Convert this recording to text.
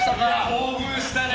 興奮したね。